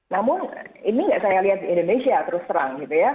namun ini nggak saya lihat di indonesia terus terang gitu ya